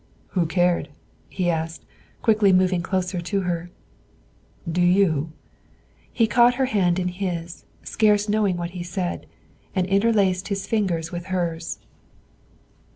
"Who cared?" he asked, quickly moving closer to her; "do you?" He caught her hand in his, scarce knowing what he said, and interlaced his fingers with hers.